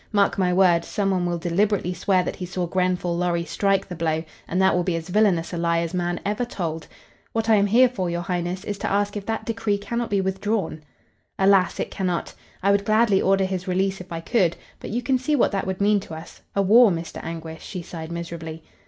Mark my word, some one will deliberately swear that he saw Grenfall Lorry strike the blow and that will be as villainous a lie as man ever told. What I am here for, your Highness, is to ask if that decree cannot be withdrawn." "Alas, it cannot! I would gladly order his release if I could, but you can see what that would mean to us. A war, Mr. Anguish," she sighed miserably.